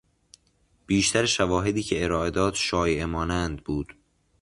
بیشتر شواهدی که ارائه داد شایعه مانند بود.